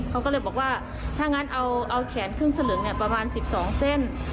เขาก็เลยบอกว่าถ้างั้นเอาแขนครึ่งสลึงประมาณ๑๒เส้น